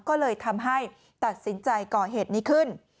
ก็เลยทำให้ตัดสินใจก่อเหตุนี้ขึ้น